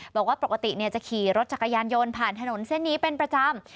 บอกว่าปกติจะขี่รถจักรยานยนต์ผ่านถนนเส้นนี้เป็นประจำ